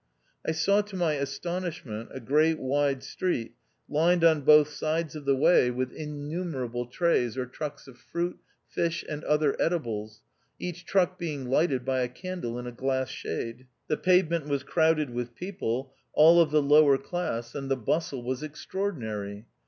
I saw to my astonishment, a great wide street lined on both sides of the way with innu THE OUTCAST. 199 merable trays or trucks of fruit, fish and other edibles, each truck being lighted by a a ndle in a glass shade. The pavement was crowded with people, all of the lower class, and the bustle was extraordinary.